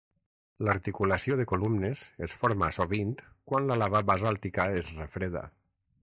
L'articulació de columnes es forma sovint quan la lava basàltica es refreda.